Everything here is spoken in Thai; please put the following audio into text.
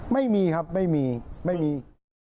ไม่มีครับไม่มีไม่มี